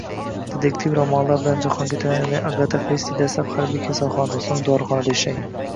Dedektiv romanlari bilan jahonga tanilgan Agata Kristi dastlab harbiy kasalxonada, so‘ng dorixonada ishlagan